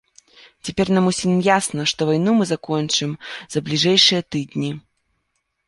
Цяпер нам усім ясна, што вайну мы закончым за бліжэйшыя тыдні.